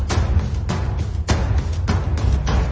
แต่ก็ไม่รู้ว่าจะมีใครอยู่ข้างหลัง